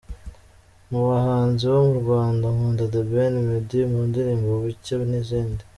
Mu bahanzi bo mu Rwanda, nkunda The Ben, Meddy mu ndirimbo Bucye n’izindi.